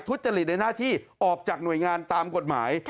ทุจริตในหน้าที่ออกจากหน่วยงานตามกฎหมาย